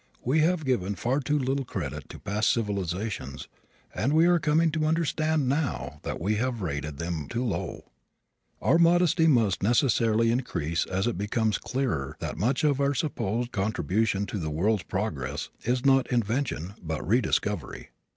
We have given far too little credit to past civilizations and we are coming to understand now that we have rated them too low. Our modesty must necessarily increase as it becomes clearer that much of our supposed contribution to the world's progress is not invention but rediscovery.